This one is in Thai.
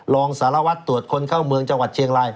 รองสารวัตรตรวจคนเข้าเมืองจังหวัดเชียงราย